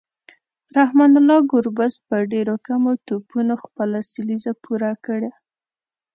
رحمان الله ګربز په ډیرو کمو توپونو خپله سلیزه پوره کړه